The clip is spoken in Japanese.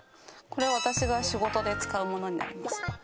これは私が仕事で使うものになります。